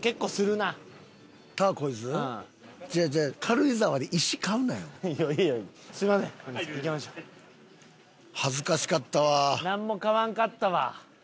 なんも買わんかったわ。